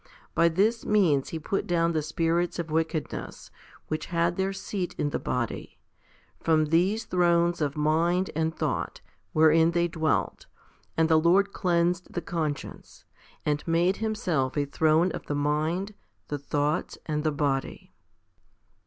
By this means he put down the spirits of wickedness, which had their seat in the body, from these thrones of mind and thought, wherein they dwelt, and the Lord cleansed the conscience, and made Himself a throne of the mind, the thoughts, and the body.